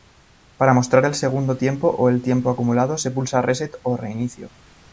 Para mostrar el segundo tiempo o el tiempo acumulado, se pulsa reset o reinicio.